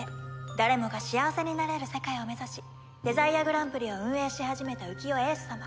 誰もが幸せになれる世界を目指しデザイアグランプリを運営し始めた浮世英寿様。